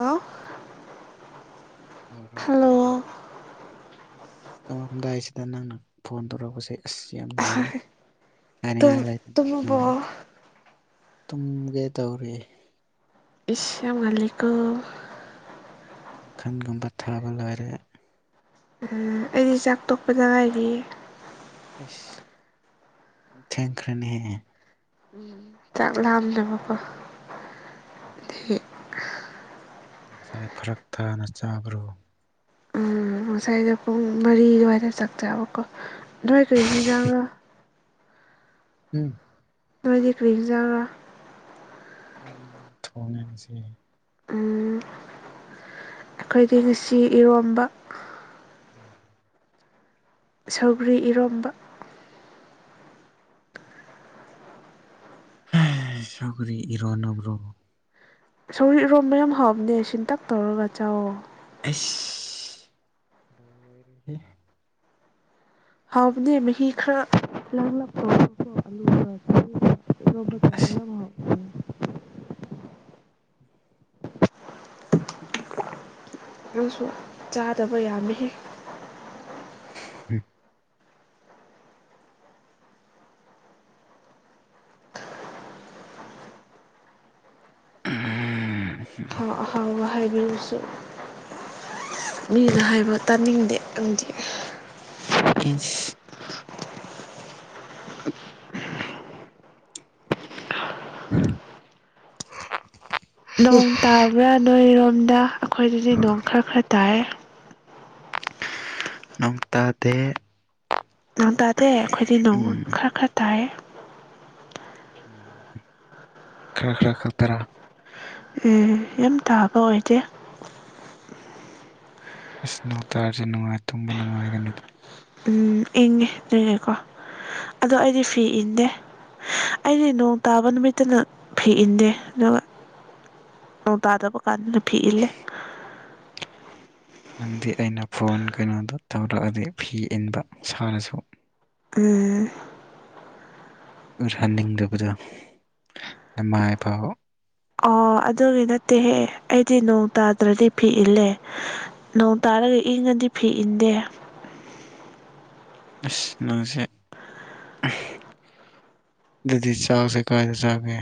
ꯑ ꯌꯥꯣ ꯑꯁ ꯆꯣꯡꯉꯝꯗꯥꯏꯁꯤꯗ ꯅꯪꯅ ꯐꯣꯟ ꯇꯧꯔꯛꯄꯁꯦ ꯑꯁ ꯌꯥꯝ ꯅꯨꯡꯉꯥꯏ ꯇꯨꯝ ꯍꯥꯏꯅꯤꯡꯉꯥꯏꯂꯗꯅ ꯅꯨꯡꯉꯥꯏ ꯇꯨꯝꯃꯕꯣ ꯇꯨꯝꯒꯦ ꯇꯧꯔꯤ ꯑꯁꯂꯝ ꯂꯩꯀꯨ ꯀꯥꯡꯈꯜꯒꯨꯝꯕ ꯊꯥꯕ ꯂꯥꯏꯔꯦ ꯎꯝ ꯑꯩꯗꯤ ꯆꯥꯛ ꯇꯣꯛꯄꯗ ꯉꯥꯏꯔꯤ ꯌꯥꯝ ꯊꯦꯡꯈ꯭ꯔꯦꯅꯦꯍꯦ ꯆꯥꯛ ꯂꯥꯛꯑꯝꯅꯦꯕꯀꯣ ꯉꯁꯥꯏ ꯐꯔꯛ ꯊꯥꯅ ꯆꯥꯕ꯭ꯔꯣ ꯉꯁꯥꯏꯗ ꯄꯨꯡ ꯃꯔꯤ ꯑꯗꯨꯋꯥꯏꯗ ꯆꯥꯛꯆꯥꯥꯕꯀꯣ ꯅꯣꯏ ꯀꯔꯤ ꯌꯦꯟꯖꯥꯡꯒꯣ ꯎꯝ ꯅꯣꯏꯗꯤ ꯀ꯭ꯔꯤꯖꯕ꯭ꯔꯥ ꯑꯩꯈꯣꯏ ꯉꯥ ꯊꯣꯡꯉꯕꯁꯤ ꯑꯩꯈꯣꯏꯗꯤ ꯉꯁꯤ ꯏꯔꯣꯝꯕ ꯎꯝ ꯁꯧꯒ꯭ꯔꯤ ꯏꯔꯣꯝꯕ ꯁꯒꯔꯤ ꯏꯔꯣꯟ ꯅꯕ꯭ꯔꯣꯣ ꯁꯧꯔꯤꯔꯣꯝꯕ ꯌꯥꯝ ꯍꯥꯎꯕꯅꯦ ꯁꯤꯟꯇꯛ ꯇꯧꯔꯒ ꯆꯥꯛꯑꯣꯣ ꯂꯣꯏꯔꯤꯦ ꯍꯥꯎꯕꯗꯤ ꯃꯍꯤ ꯈꯔ ꯂꯥꯡꯂꯛꯄ ꯏꯣꯕꯨ ꯊ ꯑꯁ ꯑꯗꯨꯪꯁꯨ ꯆꯥꯗꯕ ꯌꯥꯝꯃꯤ ꯎꯝ ꯎꯝ ꯑꯍꯥꯎ ꯑꯍꯥꯎꯕ ꯍꯥꯏꯕꯤꯔꯁꯤ ꯃꯤꯅ ꯍꯥꯏꯕ ꯇꯥꯅꯤꯡꯗꯦ ꯑꯗꯨꯗꯤ ꯏꯁ ꯎꯝ ꯅꯣꯡ ꯇꯥꯕ꯭ꯔꯥ ꯅꯣꯏꯔꯣꯝꯗ ꯑꯩꯈꯣꯏꯗꯗꯤ ꯅꯣꯡ ꯈꯔ ꯈꯔ ꯇꯥꯏꯔꯦ ꯅꯣꯡꯇꯥꯗ ꯅꯪ ꯇꯥꯗꯦ ꯑꯩꯈꯣꯏꯗꯤ ꯅꯣꯡ ꯈꯔ ꯈꯔ ꯇꯥꯏꯌꯦ ꯈꯔ ꯈꯔ ꯈ ꯇꯔꯥ ꯑꯦ ꯌꯥꯝ ꯇꯥꯕ ꯑꯣꯏꯗꯦ ꯑꯁ ꯎ ꯇꯔꯁꯨ ꯅꯨꯡꯉꯥꯏ ꯇꯨꯝꯕ ꯅꯨꯡꯉꯥꯏꯒꯅꯤꯗ ꯎ ꯏꯪꯉꯦ ꯅ ꯏꯉꯦꯀꯣ ꯑꯗꯣ ꯎꯝ ꯑꯩꯗꯤ ꯐꯤ ꯏꯟꯗꯦ ꯑꯩꯗꯤ ꯅꯣꯡ ꯇꯥꯕ ꯅꯨꯃꯤꯠꯇꯅ ꯐꯤ ꯏꯟꯗꯦ ꯑꯗꯨꯒ ꯑꯣ ꯇꯥꯗꯕ ꯀꯥꯥꯟ ꯅꯨ ꯐꯤ ꯏꯂꯦ ꯅꯪꯗꯤ ꯑꯩꯅ ꯐꯣꯟ ꯀꯩꯅꯣꯗꯣ ꯇꯧꯔꯛꯑꯗꯤ ꯐꯤ ꯏꯟꯕ ꯁꯥꯔꯁꯨ ꯑꯦ ꯍꯟꯅꯤꯡꯗꯕꯗ ꯅꯃꯥꯕ ꯑꯣ ꯑꯗꯨꯒꯤ ꯅꯠꯇꯦꯍꯦ ꯑꯩꯗꯤ ꯅꯣꯡ ꯇꯥꯗ꯭ꯔꯗꯤ ꯐꯤ ꯏꯜꯂꯦ ꯅ ꯍꯥꯏꯔꯒ ꯏꯪꯉꯗꯤ ꯐꯤ ꯏꯟꯗꯦ ꯑꯁ ꯅꯪꯁꯦ ꯗꯗꯤ ꯆꯒ ꯁꯦ ꯀꯥꯏꯗ ꯆꯒꯦ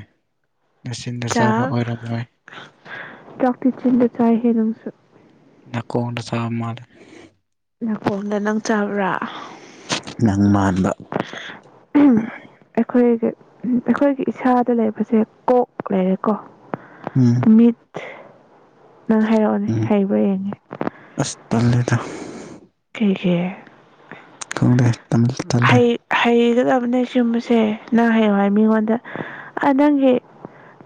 ꯅꯆꯤꯟꯗ ꯆꯥꯕ ꯆꯥꯛ ꯑꯣꯏꯔꯝꯃꯣꯏ ꯆꯥꯛꯇꯤ ꯆꯤꯟꯗ ꯆꯥꯏꯍꯦ ꯅꯪꯁꯨ ꯑꯀꯥꯎꯟꯗ ꯁꯥꯕ ꯃꯥꯅ ꯌꯥꯐꯣꯗ ꯅꯪ ꯆꯕ꯭ꯔꯥ ꯅꯪ ꯃꯥꯟꯕ ꯑꯩꯈꯣꯏꯒꯤ ꯑꯩꯈꯣꯏꯒꯤ ꯏꯁꯥꯗ ꯂꯩꯕꯁꯦ ꯀꯣꯛ ꯂꯩꯔꯦꯀꯣ ꯎꯝ ꯃꯤ ꯅꯪ ꯍꯩꯔꯛꯑꯣꯅꯦ ꯎꯝ ꯍꯩꯕ ꯌꯦꯡꯉꯦ ꯑꯁ ꯇꯜꯂꯦꯗ ꯑꯩꯗꯒꯤꯦ ꯈꯪꯗꯦ ꯇꯜꯗꯤ ꯇꯜꯂꯦ ꯍꯩ ꯍꯩ ꯆꯒꯂꯕꯅꯦ ꯁꯤꯨꯝꯕꯁꯦ ꯅꯪ ꯍꯥꯏꯌꯦꯌꯨ ꯍꯥꯏ ꯃꯤꯉꯣꯟꯗ ꯅꯪꯒꯤ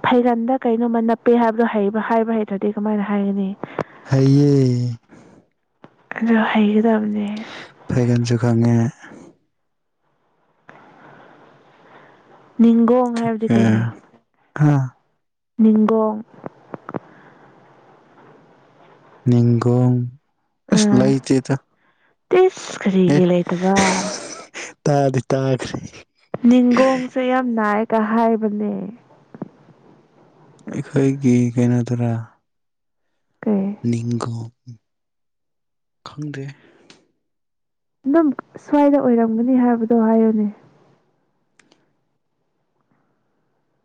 ꯐꯩꯒꯟꯗ ꯀꯩꯅꯣꯝꯃ ꯅꯞꯄꯦ ꯍꯥꯏꯕꯗꯣ ꯍꯩꯕ ꯍꯥꯏꯕ ꯍꯩꯇ꯭ꯔꯗꯤ ꯀꯃꯥꯏꯅ ꯍꯥꯏꯒꯅꯤ ꯍꯩꯌꯦ ꯍꯒꯗꯕꯅꯤ ꯒꯟꯁꯨ ꯈꯉꯦ ꯅꯤꯒꯣꯡ ꯍꯥꯏꯕꯗꯤ ꯀꯩꯅꯣ ꯑ ꯒꯣꯡ ꯒꯣ ꯑꯁ ꯑꯥ ꯂꯩꯥꯏꯇꯦ ꯇ ꯇꯤꯁ ꯑꯦ ꯀꯔꯤꯒꯤ ꯂꯩꯇꯕ ꯇꯥꯗꯤ ꯇꯥꯈ꯭ꯔꯦ ꯅꯤꯒꯣꯡꯁꯦ ꯌꯥꯝ ꯅꯥꯏꯒ ꯍꯥꯏꯕꯅꯦ ꯑꯩꯈꯣꯏꯒꯤ ꯀꯩꯅꯣꯗꯨꯔꯥ ꯀꯩ ꯅꯤꯡꯒꯣ ꯈꯪꯗꯦ ꯑꯗꯨꯝ ꯁ꯭ꯋꯥꯏꯗ ꯑꯣꯏꯔꯝꯒꯅꯤ ꯍꯥꯏꯕꯗꯣ ꯍꯥꯏꯌꯨꯅꯦ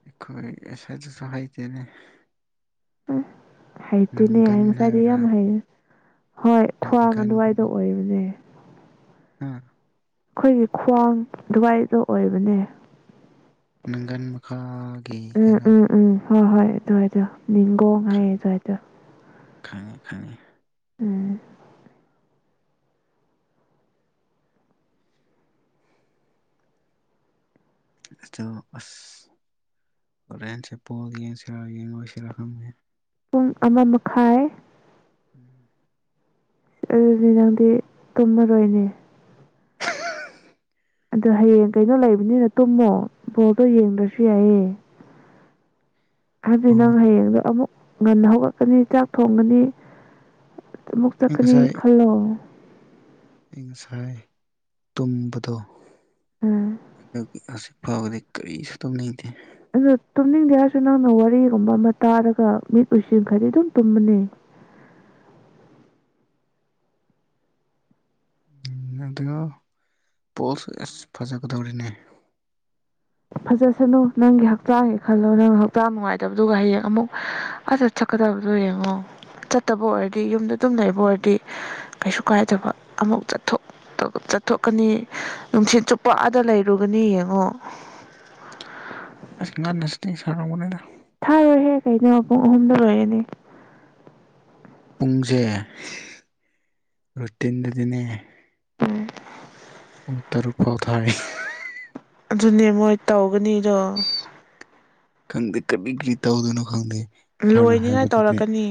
ꯑꯩꯈꯣꯏ ꯉꯁꯥꯏꯗꯁꯨ ꯍꯥꯏꯩꯇꯦꯅꯦ ꯑ ꯍꯩꯇꯅꯦ ꯌꯦꯁꯗꯤ ꯍꯥꯏꯕ꯭ꯔꯥ ꯌꯥꯝ ꯍꯩ ꯍꯣꯏ ꯈ꯭ꯋꯥꯡ ꯅꯪꯒꯟ ꯑꯗꯨꯋꯥꯏꯗ ꯑꯣꯏꯔꯤꯕꯅꯦ ꯑꯥ ꯑꯩꯈꯣꯏꯒꯤ ꯈ꯭ꯋꯥꯡ ꯗꯨꯋꯥꯏꯗꯣ ꯑꯣꯏꯕꯅꯦ ꯅꯪꯒꯟ ꯃꯈꯥꯒꯤ ꯎꯝ ꯎꯝ ꯀꯩꯅꯣꯗ ꯎꯝ ꯍꯣꯏ ꯍꯣꯏ ꯑꯗꯨꯏꯗꯣ ꯅꯤꯡꯅꯤꯡꯒꯣ ꯍꯥꯏꯥꯏ ꯑꯗꯨꯋꯥꯏꯗꯣ ꯈꯪꯉꯦ ꯈꯪꯉꯦ ꯎꯝ ꯆꯣ ꯑꯁ ꯑꯣꯔꯟꯁꯦꯄꯣ ꯌꯦꯟꯁꯤꯔ ꯌꯦ ꯑꯣꯏꯁꯤꯔ ꯈꯦ ꯄꯨꯡ ꯑꯃ ꯃꯈꯥꯏ ꯎꯝ ꯑꯗꯨꯅꯦ ꯅꯪꯗꯤ ꯇꯨꯝꯃꯔꯣꯏꯅꯦ ꯑꯗꯨ ꯍꯌꯦꯡ ꯀꯩꯅꯣ ꯂꯩꯕꯅꯤꯅ ꯇꯨꯝꯃꯣ ꯣꯔꯠꯇꯣ ꯌꯦꯡꯗ꯭ꯔꯁꯨ ꯌꯥꯏꯌꯦꯦ ꯍꯥꯏꯖꯤ ꯅꯪ ꯕꯣꯜ ꯍꯌꯦꯡꯗꯣ ꯑꯃꯨꯛ ꯉꯟꯅ ꯍꯧꯔꯛꯀꯅꯤ ꯆꯥꯛ ꯊꯣꯡꯒꯅꯤ ꯃꯛꯇ ꯇꯈꯅꯤ ꯈꯜꯂꯣ ꯑꯏꯤꯡ ꯁꯥꯏ ꯇꯨꯝꯕꯗꯣ ꯎꯝ ꯑꯗꯨꯒꯤ ꯐꯥꯎꯕꯗꯤ ꯀꯔꯤ ꯁꯠꯇꯝ ꯂꯩꯗꯦ ꯑ ꯇꯨꯝꯅꯤꯡꯗꯦ ꯍꯥꯏꯔꯁꯨ ꯅꯪꯅ ꯋꯥꯔꯤꯒꯨꯝꯕ ꯑꯃ ꯇꯥꯔꯒ ꯃꯤꯠ ꯎꯁꯤꯟ ꯈꯔꯗꯤ ꯑꯗꯨꯝ ꯇꯨꯝꯕꯅꯤ [unintelligible] ꯎꯝ ꯑꯗꯨꯒ ꯄꯣꯁꯨ ꯑꯁ ꯐꯖꯒꯗꯧꯔꯤꯅꯦ ꯐꯖꯁꯅꯨ ꯅꯪꯒꯤ ꯍꯛꯆꯥꯡꯒꯤ ꯈꯜꯂꯣ ꯅꯪ ꯍꯛꯆꯥꯡ ꯅꯨꯡꯉꯥꯏꯗꯕꯗꯨꯒ ꯍꯌꯦꯡ ꯑꯃꯨꯛ ꯐꯖꯠꯀꯠ ꯐꯗꯕꯗꯣ ꯌꯦꯡꯉꯣ ꯆꯠꯇꯕ ꯑꯣꯏꯔꯗꯤ ꯌꯨꯝꯗ ꯑꯗꯨꯝ ꯂꯩꯕ ꯑꯣꯏꯔꯗꯤ ꯀꯩꯁꯨ ꯀꯥꯏꯗꯕ ꯑꯃꯐꯥꯎ ꯆꯠꯊꯣꯛ ꯆꯠꯊꯣꯛꯀꯅꯤ ꯅꯨꯡꯁꯤꯠ ꯆꯨꯞꯄ ꯑꯥꯗ ꯂꯩꯔꯨꯒꯅꯤ ꯌꯦꯡꯉꯣ ꯑꯁ ꯉꯥꯟꯅꯁꯤꯇ ꯁꯔꯕꯗ ꯊꯥꯔꯣꯏꯍꯦ ꯀꯩꯅꯣ ꯄꯨꯡ ꯑꯍꯨꯝꯗ ꯂꯣꯏꯔꯅꯤ ꯄꯨꯡꯁꯦ ꯔꯨꯇꯤꯟꯗꯗꯤꯅꯦ ꯇꯔꯨꯛ ꯐꯥꯎ ꯊꯥꯔꯤ ꯑꯗꯨꯅꯦ ꯃꯣꯏ ꯇꯧꯒꯅꯤꯗꯣ ꯈꯪꯗꯦ ꯀꯗꯤ ꯒꯤꯔꯤꯇ ꯑꯣꯗꯅ ꯈꯪꯗ ꯁꯅ ꯂꯣꯏꯅꯤꯉꯥꯏ ꯍꯥꯏꯕꯗꯤꯗ ꯇꯧꯔꯛꯀꯅꯤ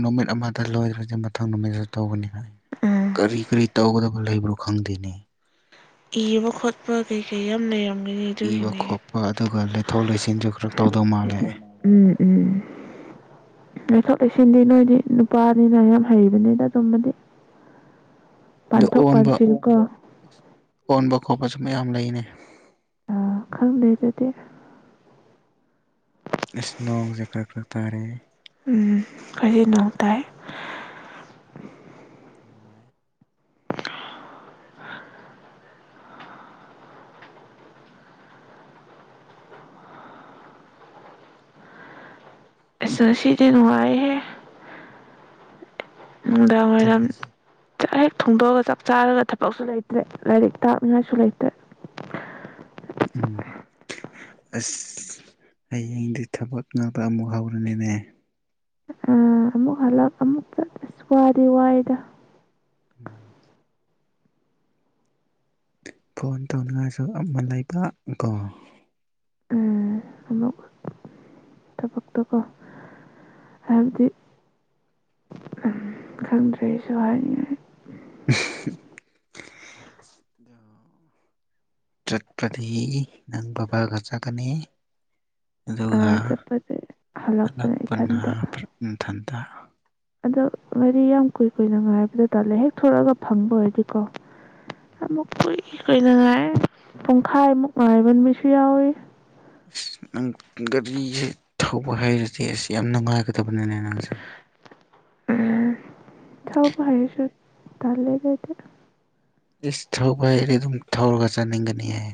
ꯅꯨꯃꯤꯠ ꯑꯃꯗ ꯂꯣꯏꯗ꯭ꯔꯗꯤ ꯃꯊꯪ ꯅꯨꯃꯤꯠꯇꯁꯨ ꯇꯧꯒꯅꯤ ꯎꯝ ꯀꯔꯤ ꯀꯔꯤ ꯇꯧꯒꯗꯕ ꯂꯩꯕ꯭ꯔꯣ ꯈꯪꯗꯦꯅꯦ ꯏꯕ ꯈꯣꯠꯄ ꯀꯩ ꯀꯩ ꯌꯥꯝ ꯂꯩꯔꯝꯒꯦ ꯏꯕ ꯈꯣꯠꯄ ꯑꯗꯨꯒ ꯂꯩꯊꯣꯛ ꯂꯩꯁꯤꯟꯁꯨ ꯈꯔ ꯇꯧꯗꯧ ꯃꯥꯜꯂꯦ ꯎꯝ ꯎꯝ ꯑꯊ ꯇꯩꯁꯟꯗꯤ ꯅꯣꯏꯗꯤ ꯅꯨꯄꯥꯅꯤꯅ ꯌꯥꯝ ꯍꯩꯕꯅꯤꯗ ꯑꯗꯨꯨꯝꯝꯕꯗꯤ ꯑꯗꯨ ꯑꯣꯟꯕ ꯑꯣꯟꯕ ꯈꯣꯠꯄꯁꯨ ꯃꯌꯥꯝ ꯂꯩꯅꯩ ꯑ ꯈꯪꯗꯩꯗꯗꯤ ꯏꯁ ꯅꯣꯡꯁꯦ ꯀꯔꯛꯔꯛꯇꯥꯔꯦ ꯎꯝ ꯀꯖꯤꯅꯅꯨꯡ ꯇꯥꯏ ꯅꯨꯡꯉꯥꯏ ꯑꯁ ꯁꯤꯗꯤ ꯅꯨꯡꯉꯥꯏꯍꯦ ꯅꯨꯡꯗꯥ ꯃ ꯑꯣꯏꯔꯝ ꯆꯦ ꯊꯣꯡꯗꯣꯛꯑꯒ ꯆꯞ ꯆꯥꯔꯒ ꯊꯕꯛꯁꯨ ꯂꯩꯇ꯭ꯔꯦ ꯂꯥꯏꯔꯤꯛ ꯇꯥꯛꯅꯤꯡꯉꯥꯏꯁꯨ ꯂꯩꯇ꯭ꯔꯦ ꯎꯝ ꯑꯁ ꯍꯌꯦꯡꯗꯤ ꯊꯕꯛ ꯉꯥꯛꯇ ꯑꯃꯨꯛ ꯍꯧꯔꯅꯤꯅꯦ ꯑ ꯑꯃꯛ ꯍꯂꯥꯎ ꯑꯃꯛꯁ ꯄꯨꯋꯥ ꯋꯥꯗꯣꯛ ꯎꯝ ꯐꯣꯟ ꯇꯧꯅꯤꯡꯉꯥꯏꯁꯨ ꯑꯃ ꯂꯩꯕ ꯀꯣ ꯑ ꯑꯃꯃ ꯇ ꯄꯣꯛꯛꯇ ꯀ ꯍꯥꯏꯗꯤ ꯎꯝ ꯈꯪꯗ꯭ꯔꯦꯁꯨ ꯍꯥꯏꯅꯤ [inaudible] ꯆꯠꯄꯗꯤ ꯅꯪ ꯕꯕꯥꯔꯒ ꯆꯠꯒꯅꯤ ꯑꯗꯨꯒ ꯑꯥ ꯆꯠꯄꯁꯦ ꯍꯜꯂꯛꯄꯅ ꯏꯊꯟꯇ ꯏꯊꯟꯇ ꯑꯗꯣ ꯍꯥꯏꯗꯤ ꯌꯥꯝ ꯀꯨꯏ ꯀꯨꯏꯅ ꯉꯥꯏꯕꯗ ꯇꯥꯜꯂꯦ ꯍꯦꯛ ꯊꯂꯛꯑꯒ ꯐꯪꯕ ꯑꯣꯏꯔꯗꯤꯀꯣ ꯑꯃꯨꯛ ꯀꯨꯏ ꯀꯨꯏꯅꯉꯥꯏ ꯄꯨꯡꯈꯥꯏꯃꯨꯛ ꯉꯥꯏꯕ ꯅꯨꯃꯤꯠꯁꯨ ꯌꯥꯎꯏꯤ ꯑꯁ ꯅꯪ ꯒꯥꯔꯤꯁꯦ ꯊꯧꯕ ꯍꯥꯏꯩꯔꯗꯤ ꯑꯁ ꯌꯥꯝ ꯅꯨꯡꯉꯥꯏꯒꯗꯕꯅꯤꯅꯦ ꯅꯪꯁꯦ ꯊꯥꯎ ꯄꯔꯁꯨ ꯇꯂ ꯂꯩꯗ ꯏꯁ ꯊꯧꯕ ꯍꯥꯏꯗꯤ ꯑꯗꯨꯝ ꯊꯧꯔꯒ ꯆꯥꯅꯤꯡꯒꯅꯤ ꯍꯥꯏ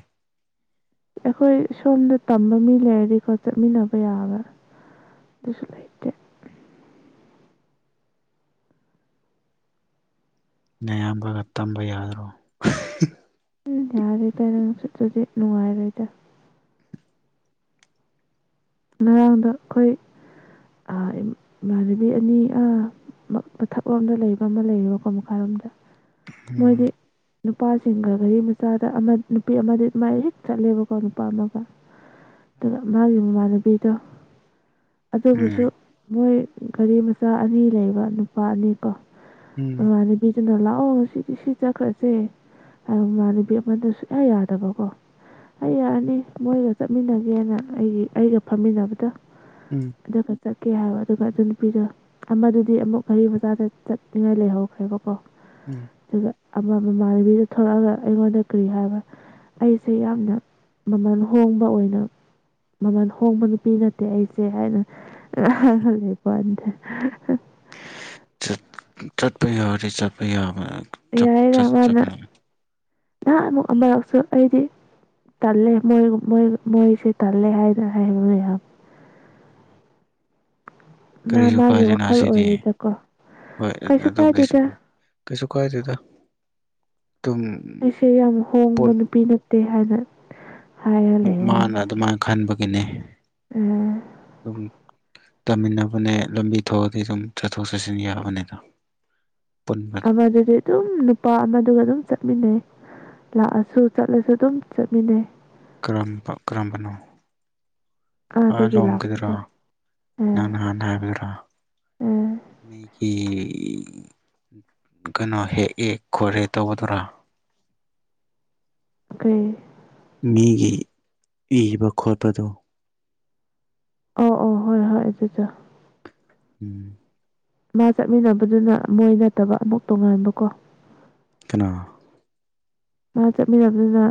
ꯑꯩꯈꯣꯏ ꯁꯣꯝꯗ ꯇꯝꯕ ꯃꯤ ꯂꯩꯔꯗꯤꯀꯣ ꯆꯠꯃꯤꯟꯅꯕ ꯌꯥꯕ꯭ꯔꯥ ꯁ ꯂꯥꯏꯦ ꯑꯌꯥꯝꯕꯒ ꯇꯝꯕ ꯌꯥꯗ꯭ꯔꯣ ꯎ ꯌꯥꯔꯤꯦ ꯄꯔꯁꯨꯗꯤ ꯅꯨꯡꯉꯥꯏꯔꯣꯏꯗ ꯉꯔꯥꯡꯗ ꯑꯩꯈꯣꯏ ꯏꯃꯥꯟꯅꯕꯤ ꯑꯅꯤ ꯃꯊꯛꯂꯣꯝꯗ ꯂꯩꯕ ꯑꯃ ꯂꯩꯌꯦꯕꯀꯣ ꯃꯈꯥꯏꯜꯔꯣꯝꯗ ꯎꯝ ꯅꯨꯄꯥꯁꯤꯡꯒ ꯒꯥꯔꯤ ꯃꯆꯥꯗ ꯑꯃ ꯅꯨꯄꯤ ꯑꯃꯗꯤ ꯑꯗꯨꯃꯥꯏꯅ ꯍꯦꯛ ꯆꯠꯂꯦꯕꯀꯣ ꯅꯨꯄꯥ ꯑꯃꯒ ꯑꯗꯨꯒ ꯃꯥꯒꯤ ꯃꯃꯥꯟꯅꯕꯤꯗꯣ ꯎꯝ ꯑꯗꯨꯕꯨꯁꯨ ꯃꯣꯏ ꯒꯥꯔꯤ ꯃꯆꯥ ꯑꯅꯤ ꯂꯩꯕ ꯅꯨꯄꯥ ꯑꯅꯤ ꯀꯣ ꯎꯝ ꯏꯃꯥꯟꯅꯕꯤꯗꯨꯅ ꯂꯥꯛꯑꯣ ꯑꯧ ꯉ ꯁꯤꯗꯤ ꯁꯤ ꯆꯠꯈ꯭ꯔꯁꯦꯃꯅꯕꯦꯛ ꯑꯃꯗ ꯁꯨꯡꯛꯌꯥ ꯌꯥꯗꯕꯀꯣ ꯑꯩ ꯌꯥꯔꯅꯤ ꯃꯣꯏꯒ ꯆꯠꯃꯤꯟꯅꯒꯦꯅ ꯑꯩꯒꯤ ꯑꯩꯒ ꯐꯝꯃꯤꯟꯅꯕꯗ ꯎꯝ ꯑꯗꯨ ꯆꯠꯀꯦ ꯍꯥꯏꯔꯣ ꯑꯗꯨꯒ ꯑꯗꯨ ꯅꯨꯄꯤꯗꯣ ꯑꯃꯗꯨꯗꯤ ꯑꯃꯨꯛ ꯘꯔꯤ ꯕꯖꯥꯔꯗ ꯆꯠꯅꯤꯡꯉꯥꯏ ꯂꯩꯍꯧꯈ꯭ꯔꯦꯀꯀꯣ ꯎꯝ ꯑꯃ ꯃꯃꯥꯟꯅꯕꯤꯗ ꯊꯣꯛꯂꯛꯑꯒ ꯑꯩꯉꯣꯟꯗ ꯀꯔꯤ ꯍꯥꯏꯕ ꯑꯩꯁꯦ ꯌꯥꯝꯅ ꯃꯃꯜ ꯍꯣꯡꯕ ꯑꯣꯏꯅ ꯃꯃꯜ ꯍꯣꯡꯕ ꯅꯨꯄꯤ ꯅꯠꯇꯦ ꯑꯩꯁꯦ ꯍꯥꯏꯅꯂ ꯄꯥꯟꯗꯦ ꯆꯠꯄ ꯌꯥꯔꯦ ꯆꯠꯄ ꯌꯥ ꯌꯥꯏꯔ ꯃꯥꯅ ꯅꯍꯥꯛ ꯑꯃꯨꯛ ꯑꯃꯔꯛꯁꯨ ꯑꯩꯗꯤ ꯇꯜꯂꯦ ꯃꯣꯏꯣꯏ ꯃꯣꯏꯁꯤꯦ ꯇꯜꯂꯦ ꯍꯥꯏꯗꯅ ꯍꯥꯏꯕꯅꯦ ꯌꯥꯝ ꯃꯥ ꯀꯔꯤꯁꯨ ꯃꯥꯒꯤ ꯀꯥꯗꯦꯅ ꯋꯥꯈꯜ ꯁꯤꯗꯤ ꯑꯣꯏꯔꯦꯗꯀꯣ ꯍꯣꯏ ꯀꯩꯁꯨ ꯑꯗꯨꯕꯨꯗꯤ ꯀꯥꯏꯗꯦꯗ ꯁꯨꯝ ꯀꯩꯁꯨ ꯀꯥꯏꯗꯣꯏꯗ ꯑꯩꯁꯦ ꯌꯥꯝ ꯍꯣꯡꯕ ꯅꯨꯄꯤ ꯅꯠꯇꯦ ꯍꯥꯏꯅ ꯍꯥꯏꯔ ꯃꯥꯅ ꯂꯩꯕꯋꯥꯅꯤꯗ ꯑꯗꯨꯃꯥꯏꯅ ꯈꯟꯕꯒꯤꯅꯤ ꯑꯗꯨꯝ ꯇꯝꯃꯤꯟꯅꯕ ꯅꯦ ꯂꯝꯕꯤ ꯊꯑꯗꯤ ꯑꯗꯨꯝ ꯆꯠꯊꯣꯛ ꯆꯠꯁꯤꯟ ꯌꯥꯕꯅꯤꯗ ꯄꯨꯟꯕꯗ ꯑꯃꯗꯨꯗꯤ ꯑꯗꯨꯝ ꯅꯨꯄꯥ ꯑꯃꯗꯨꯒ ꯑꯗꯨꯝ ꯆ ꯆꯠꯃꯤꯟꯅꯩ ꯂꯥꯛꯑꯁꯨ ꯆꯠꯂꯁꯨ ꯑꯗꯨꯝ ꯆꯠꯃꯤꯟꯅꯩ ꯀꯔꯝꯕ ꯀꯔꯝꯕꯅꯣ ꯑꯥ ꯑꯥꯗꯒꯤ ꯂꯣꯝꯈꯤꯗꯔꯣ ꯂꯥꯛꯄꯗꯣ ꯑ ꯅꯥꯟ ꯍ ꯍꯥꯏꯕꯤꯌ꯭ꯔ ꯑ ꯃꯤꯒꯤ ꯀꯒꯅꯣ ꯍꯦꯛꯑ ꯈꯣꯏꯍꯦ ꯇꯧꯒꯗꯔꯥ ꯑꯩꯈꯦ ꯃꯤꯒꯤ ꯏꯕ ꯈꯣꯠꯄꯗꯨ ꯑꯣ ꯑꯣ ꯍꯣꯏ ꯍꯣꯏ ꯑꯗꯨꯁꯨ ꯎꯝ ꯃꯥ ꯆꯠꯃꯤꯟꯅꯕꯗꯨꯅ ꯃꯣꯏ ꯅꯠꯇꯕ ꯑꯃꯨꯛ ꯇꯣꯉꯥꯟꯕꯀꯣ ꯀꯅꯥ ꯃꯥ ꯆꯠꯃꯤꯟꯅꯕꯗꯨꯅ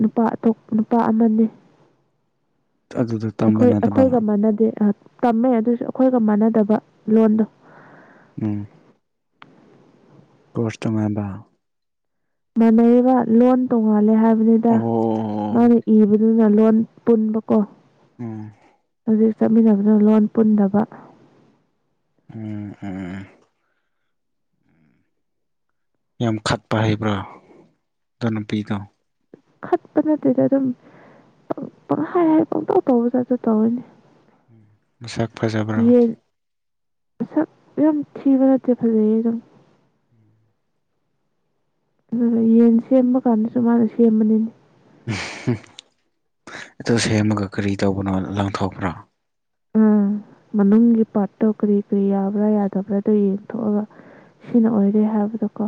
ꯅꯨꯄꯥꯇ ꯅꯨꯄꯥ ꯑꯃꯅꯤ ꯑꯗꯨꯗꯣ ꯇꯝꯕ ꯑꯩꯈꯣꯏ ꯅꯠꯇꯕ ꯑꯩꯈꯣꯏꯒ ꯃꯥꯟꯅꯗꯦ ꯇꯝꯃꯦ ꯑꯗꯨꯁꯨ ꯑꯩꯈꯣꯏꯒ ꯃꯥꯟꯅꯗꯕ ꯂꯣꯟꯗꯣ ꯎꯝ ꯀꯣꯁꯇꯉꯥꯏꯕ ꯃꯥꯟꯅꯔꯤꯕ ꯂꯣꯟ ꯇꯣꯡꯉꯥꯜꯂꯦ ꯍꯥꯏꯕꯅꯤꯗ ꯑꯣ ꯃꯥꯅ ꯏꯕ ꯑꯗꯨꯅ ꯂꯣꯟ ꯄꯨꯟꯕꯀꯣ ꯎꯝ ꯍꯧꯖꯤꯛ ꯆꯠꯃꯤꯟꯅꯕꯅ ꯂꯣꯟ ꯄꯨꯟꯗꯕ ꯎꯝ ꯎꯝ ꯌꯥꯝ ꯈꯠꯄ ꯍꯩꯕ꯭ꯔꯥ ꯑꯅꯄꯤꯗꯣ ꯈꯠꯄ ꯅꯠꯇꯦꯗ ꯑꯗꯨꯝ ꯄ ꯄꯪꯍꯥꯏ ꯍꯥꯏ ꯄꯪꯇꯧ ꯇꯥꯎꯧꯕꯗ ꯑꯗꯨ ꯇꯧꯔꯅꯤ ꯃꯁꯛ ꯐꯖꯕ꯭ꯔꯥ ꯌꯥꯝ ꯊꯤꯕ ꯅꯠꯇꯦ ꯐꯖꯩꯝ ꯑꯗꯨ ꯌꯦꯟ ꯁꯦꯝꯕ ꯀꯥꯟꯗꯁꯨ ꯃꯥꯅ ꯁꯦꯝꯕꯅꯤꯅꯦ ꯎꯝ ꯑꯣ ꯁꯦꯝꯃꯒ ꯀꯔꯤ ꯇꯧꯕꯅꯣ ꯂꯪꯊꯣꯛꯄ꯭ꯔꯥ ꯎꯝ ꯃꯅꯨꯡꯒꯤ ꯄꯥꯔꯠꯇꯣ ꯀꯔꯤ ꯀꯔꯤ ꯌꯥꯕ꯭ꯔꯥ ꯌꯥꯗꯕ꯭ꯔꯥꯗꯣ ꯌꯦꯡꯊꯣꯛꯑꯒ ꯁꯤꯅ ꯑꯣꯏꯔꯦ ꯍꯥꯏꯕꯗꯣ ꯀꯣ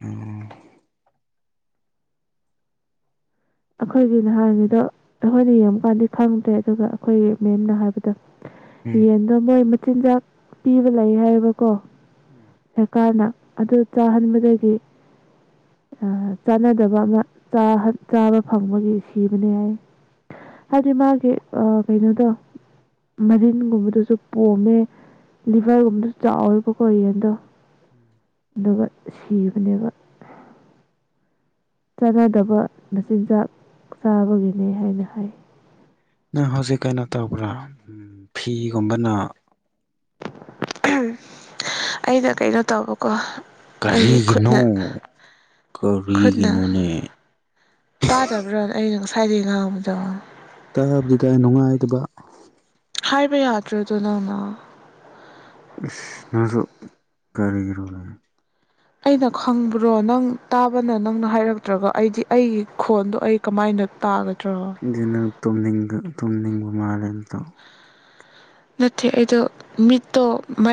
ꯎꯝ ꯑꯩꯈꯣꯏꯒꯤꯅ ꯍꯥꯏꯔꯤꯉꯩꯗꯣ ꯑꯩꯈꯣꯏꯅ ꯌꯦꯡꯕꯀꯥꯟꯗꯤ ꯈꯪꯗ꯭ꯔꯦ ꯑꯗꯨꯒ ꯑꯩꯈꯣꯏꯒꯤ ꯃꯦꯝꯅ ꯍꯥꯏꯕꯗꯣ ꯎꯝ ꯌꯦꯟꯗꯣ ꯃꯣꯏ ꯃꯆꯤꯟꯖꯥꯛ ꯄꯤꯕ ꯂꯩ ꯍꯥꯏꯕꯀꯣ ꯁꯔꯀꯥꯅ ꯑꯗꯨ ꯆꯥꯍꯟꯕꯗꯒꯤ ꯆꯥꯟꯅꯗꯕ ꯑꯃ ꯆꯥ ꯆꯥꯕ ꯐꯪꯕꯒꯤ ꯁꯤꯕꯅꯦ ꯍꯥꯏꯏ ꯍꯥꯏꯗꯤ ꯃꯥꯒꯤ ꯀꯩꯅꯣꯗꯣ ꯃꯔꯤꯟꯒꯨꯝꯕꯗꯨꯁꯨ ꯄꯣꯝꯃꯦ ꯂꯤꯚꯔꯒꯨꯝꯕꯗꯁꯨ ꯆꯥꯎꯔꯤꯕꯣ ꯀꯣꯔꯤꯦꯟꯗꯣ ꯑꯗꯨꯒ ꯁꯤꯕꯅꯦꯕ ꯆꯥꯟꯅꯗꯕ ꯅꯆꯤꯟꯖꯥꯛ ꯆꯥꯕꯒꯤꯅꯦ ꯍꯥꯏꯅ ꯍꯥꯏ ꯅꯪ ꯍꯧꯖꯤꯛ ꯀꯩꯅꯣ ꯇꯧꯕ꯭ꯔꯥ ꯐꯤꯒꯨꯝꯕꯅ ꯑꯩꯅ ꯀꯩꯅꯣ ꯇꯧꯕꯀꯣ ꯑꯩꯒꯤ ꯀꯔꯤꯒꯤꯅꯣ ꯈꯨꯠꯅ ꯀꯔꯤꯒꯤꯅꯣꯅꯦ ꯇꯥꯗꯕ꯭ꯔꯥꯅ ꯑꯩꯅ ꯉꯁꯥꯏꯗꯒꯤꯩ ꯉꯥꯡꯕꯗꯣ ꯇꯥꯕꯗꯨꯗ ꯅꯨꯡꯉꯥꯏꯇꯕ ꯍꯥꯏꯕ ꯌꯥꯗ꯭ꯔꯗꯨ ꯅꯪꯅ ꯏꯁ ꯅꯁꯨ ꯀꯔꯤꯒꯔꯣ ꯂꯩ ꯑꯩꯅ ꯈꯪꯕ꯭ꯔꯣ ꯅꯪ ꯇꯥꯕꯅ ꯅꯪꯅ ꯍꯥꯏꯔꯛꯇ꯭ꯔꯒ ꯑꯩꯗꯤ ꯑꯩꯒꯤ ꯈꯣꯟꯗꯣ ꯑꯩ ꯀꯃꯥꯏꯅ ꯅꯨꯄꯥꯒꯠ ꯅ ꯇꯣꯃꯤꯂꯤ ꯇꯣꯝꯂꯤꯕ ꯃꯥꯂ ꯇ ꯅꯠꯇ ꯑꯩꯗ ꯃꯤꯣ